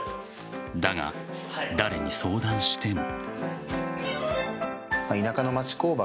だが、誰に相談しても。